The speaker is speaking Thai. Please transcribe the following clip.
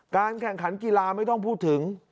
แข่งขันกีฬาไม่ต้องพูดถึง